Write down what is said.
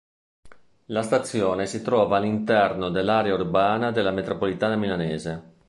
La stazione si trova all'interno dell'area urbana della metropolitana milanese.